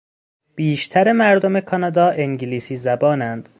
بیشتر مردم کانادا انگلیسی زبانند.